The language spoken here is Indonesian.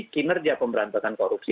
kinerja pemberantasan korupsi